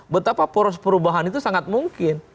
betapa poros perubahan itu sangat mungkin